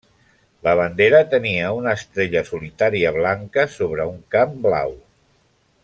La bandera tenia una estrella solitària blanca sobre un camp blau.